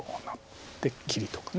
切りとか。